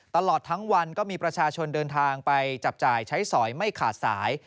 ตลอดทั้งวันก็มีประชาชนเดินทางไปจับจ่ายใช้สอยไม่ขาดสาย